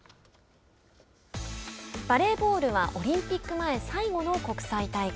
バレーボールはオリンピック前最後の国際大会。